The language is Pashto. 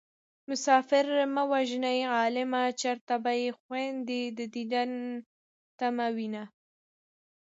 مسافر مه وژنئ عالمه چېرته به يې خويندې د دين په تمه وينه